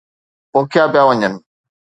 پوکيا پيا وڃن.